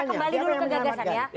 kembali dulu ke gagasan ya